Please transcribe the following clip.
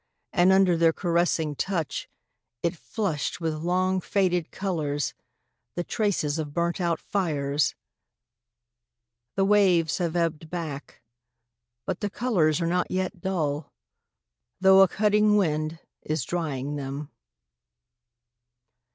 . and under their caressing touch it flushed with long faded colours, the traces of burnt out fires ! The waves have ebbed back ... but the colours are not yet dull, though a cutting wind is drying them.